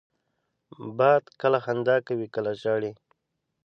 باد کله خندا کوي، کله ژاړي